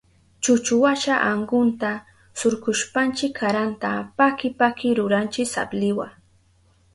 Chuchuwasha ankunta surkushpanchi karanta paki paki ruranchi sabliwa.